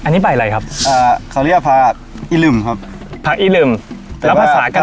อันนี้ใบอะไรครับอ่าเขาเรียกภาพอิรุมครับภาพอิรุมแล้วภาษากระเด่ง